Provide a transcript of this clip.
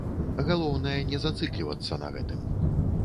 Галоўнае не зацыклівацца на гэтым.